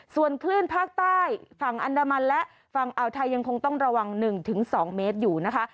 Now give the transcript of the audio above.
ส่วนคลื่นภาคใต้ฝั่งอันดามันและฝั่งอ่าวไทยยังคงต้องระวัง๑๒เมตรอยู่นะคะ